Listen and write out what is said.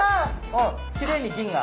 おっきれいに銀が。